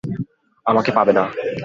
আমাকে পাবে না।